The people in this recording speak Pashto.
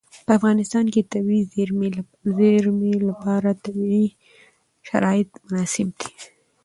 په افغانستان کې د طبیعي زیرمې لپاره طبیعي شرایط مناسب دي.